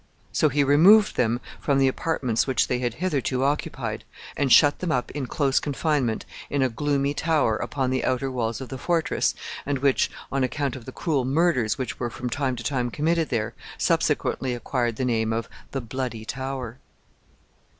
So he removed them from the apartments which they had hitherto occupied, and shut them up in close confinement in a gloomy tower upon the outer walls of the fortress, and which, on account of the cruel murders which were from time to time committed there, subsequently acquired the name of the Bloody Tower. [Illustration: THE BLOODY TOWER.